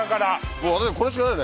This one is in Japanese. もうねこれしかないね。